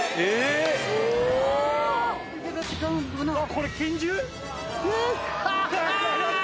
これ拳銃？